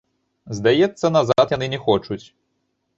Здаецца, назад яны не хочуць.